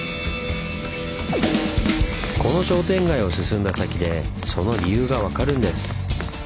この商店街を進んだ先でその理由が分かるんです。